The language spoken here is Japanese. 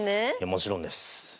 もちろんです。